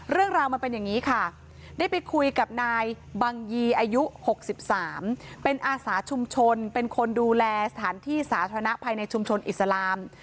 เรื่องราวมันเป็นอย่างนี้ค่ะได้ไปคุยกับนายบังยีอายุ๖๓เป็นอาสาชุมชนเป็นคนดูแลสถานที่สาธารณะภายในชุมชนอิสลาม